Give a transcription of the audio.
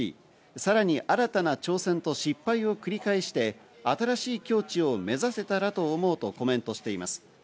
さらに新たな挑戦と失敗を繰り返して新しい境地を目指せたらと思うとコメントしています。